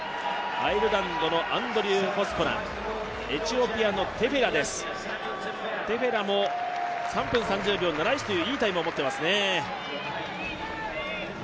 アイルランドのアンドリュー、エチオピアのテフェラも３分３０秒３１といういいタイムを持っています。